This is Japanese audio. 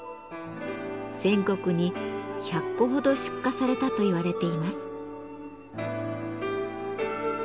全国に１００個ほど出荷されたと言われています。